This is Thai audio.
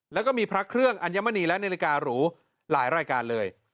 แล้วก็มีพระเครื่องอัญมณีและนาฬิการูหลายรายการเลย